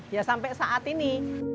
ya sampai saat ini